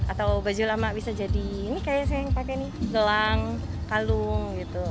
atau baju lama bisa jadi ini kayaknya saya yang pakai nih gelang kalung gitu